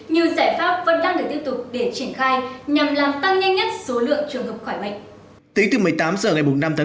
nhiều giải pháp vẫn đang được tiếp tục để triển khai nhằm làm tăng nhanh nhất số lượng trường hợp khỏi bệnh